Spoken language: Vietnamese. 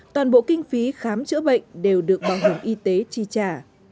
toàn bộ kinh phí khám chữa bệnh đều được bảo hiểm y tế tham gia